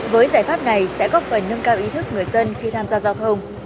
với giải pháp này sẽ góp phần nâng cao ý thức người dân khi tham gia giao thông